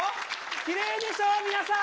きれいでしょ、皆さん。